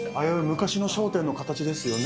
昔の商店の形ですよね。